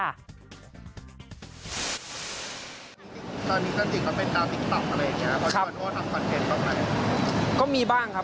ตอนนี้ก็จริงเขาเป็นการมิกต่ำอะไรอย่างนี้นะครับ